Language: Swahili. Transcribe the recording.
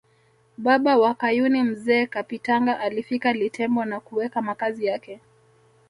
Baba wa Kayuni Mzee Kapitingana alifika Litembo na kuweka makazi yake